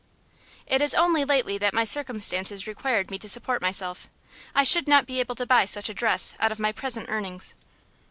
"It is only lately that my circumstances required me to support myself. I should not be able to buy such a dress out of my present earnings."